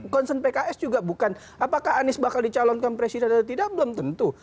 concern pks juga bukan apakah anies bakal dicalonkan presiden atau tidak belum tentu